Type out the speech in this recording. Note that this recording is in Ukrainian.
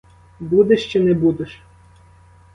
Будеш чи не будеш?